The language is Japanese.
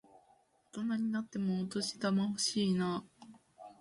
大人になってもお年玉欲しいなぁ。